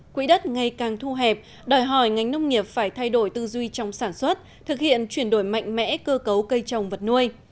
quỹ đất ngày càng thu hẹp đòi hỏi ngành nông nghiệp phải thay đổi tư duy trong sản xuất thực hiện chuyển đổi mạnh mẽ cơ cấu cây trồng vật nuôi